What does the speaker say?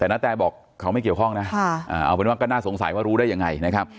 แต่นาแตบอกเขาไม่เกี่ยวข้องนะเอาเป็นว่าก็น่าสงสัยว่ารู้ได้ยังไงนะครับ